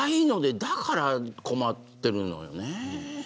だから困ってるんだよね。